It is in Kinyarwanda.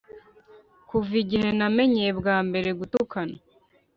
kuva igihe namenye bwa mbere gutukana